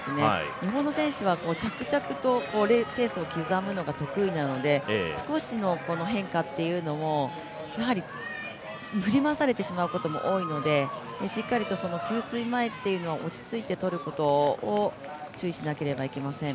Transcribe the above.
日本の選手は着々とペースを刻むのが得意なので少しの変化っていうのも、やはり振り回されてしまうことも多いので、しっかりと給水前というのは落ち着いて取ることを注意しなければいけません。